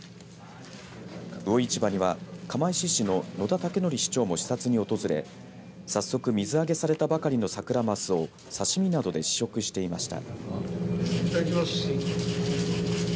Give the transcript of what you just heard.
魚市場には釜石市の野田武則市長も視察に訪れ早速水揚げされたばかりのサクラマスを刺身などで試食していました。